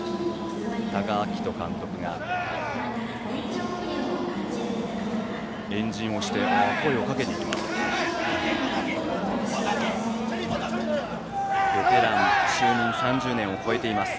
多賀章仁監督が円陣をして声をかけていきます。